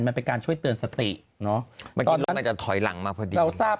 มันเป็นการช่วยเตือนสติเนาะมันจะถอยหลังมาพอดีเราทราบ